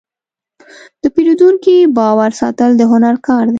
د پیرودونکي باور ساتل د هنر کار دی.